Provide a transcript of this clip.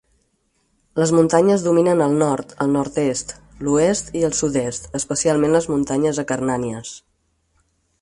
Les muntanyes dominen el nord, el nord-est, l"oest i el sud-est, especialment les muntanyes Acarnànies.